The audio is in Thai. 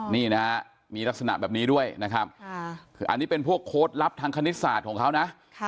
นี่นะฮะมีลักษณะแบบนี้ด้วยนะครับคืออันนี้เป็นพวกโค้ดลับทางคณิตศาสตร์ของเขานะ